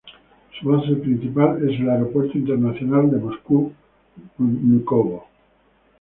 Su base principal es el Aeropuerto Internacional de Moscú-Vnúkovo.